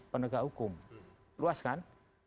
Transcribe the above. penegak hukum luas kan